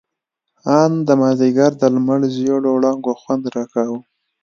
ان د مازديګر د لمر زېړو وړانګو خوند راکاوه.